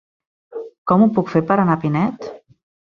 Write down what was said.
Com ho puc fer per anar a Pinet?